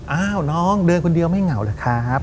อ้าวน้องเดินคนเดียวไม่เหงาเหรอครับ